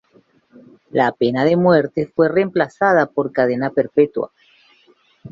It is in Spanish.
La pena de muerte fue reemplazada por cadena perpetua.